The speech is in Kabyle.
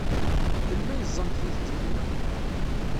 Melmi ay ẓẓant tijeǧǧigin-a?